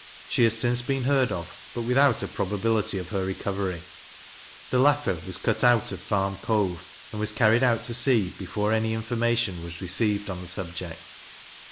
She has since been heard of, but without a probability of her recovery. The latter was cut out of Farm Cove, and was carried out to sea, before any information was received on the subject.